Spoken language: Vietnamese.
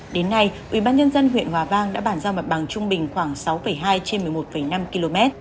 đến nay ubnd huyện hòa vang đã bàn giao mặt bằng trung bình khoảng sáu hai trên một mươi một năm km